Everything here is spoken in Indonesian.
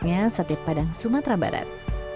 dan sebagainya sate padang sumatera barat